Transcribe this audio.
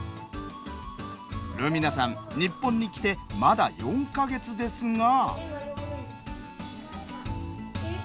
瑠海奈さん、日本に来てまだ４か月ですが。